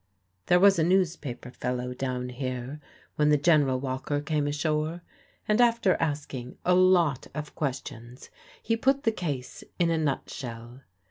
There was a newspaper fellow down here when the General Walker came ashore, and, after asking a lot of questions, he put the case in a nutshell.